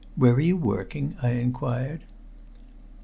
"Where are you working?" I inquired.